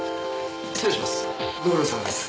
失礼します。